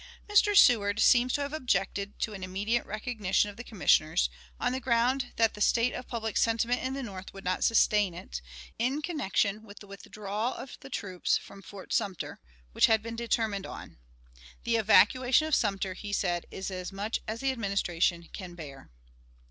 Mr. Seward seems to have objected to an immediate recognition of the Commissioners, on the ground that the state of public sentiment in the North would not sustain it, in connection with the withdrawal of the troops from Fort Sumter, which had been determined on. "The evacuation of Sumter," he said, "is as much as the Administration can bear."